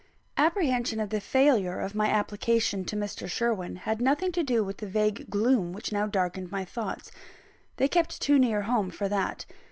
Apprehension of the failure of my application to Mr. Sherwin had nothing to do with the vague gloom which now darkened my thoughts; they kept too near home for that.